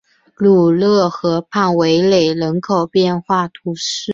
鲁勒河畔维雷人口变化图示